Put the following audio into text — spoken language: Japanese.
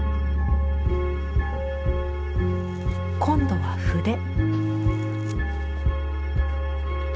今度は筆。